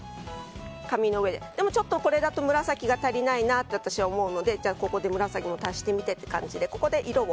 ちょっとこれだと紫が足りないなと私は思うのでここで紫も足してみてここで色を。